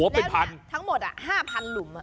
แล้วทั้งหมด๕๐๐๐หลุม